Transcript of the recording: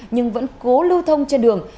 nhưng vẫn cố lưu thông trên đường